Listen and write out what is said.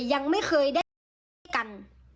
ยังไม่เคยได้กัน